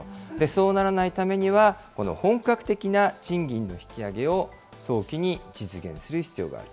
そうならないためには、本格的な賃金の引き上げを早期に実現する必要がある。